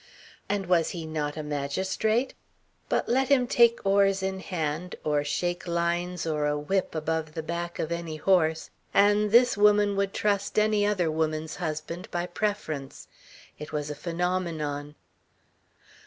And was he not a magistrate? But let him take oars in hand, or shake lines or a whip above the back of any horse, and this woman would trust any other woman's husband by preference. It was a phenomenon.